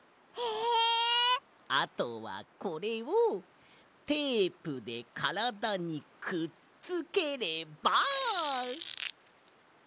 あとはこれをテープでからだにくっつければ。